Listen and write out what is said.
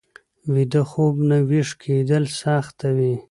ویده خوب نه ويښ کېدل سخته وي